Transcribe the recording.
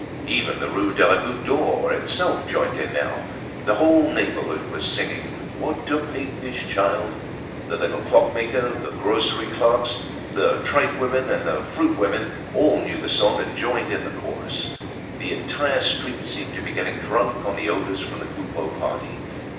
Even the Rue de la Goutte d'Or itself joined in now. The whole neighborhood was singing "What a piggish child!" The little clockmaker, the grocery clerks, the tripe woman and the fruit woman all knew the song and joined in the chorus. The entire street seemed to be getting drunk on the odors from the Coupeau party.